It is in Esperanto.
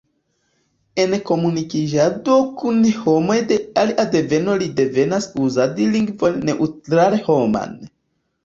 En komunikiĝado kun homoj de alia deveno li devas uzadi lingvon neŭtrale-homan.